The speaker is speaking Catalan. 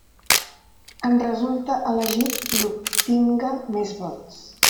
En resulta elegit qui obtinga més vots.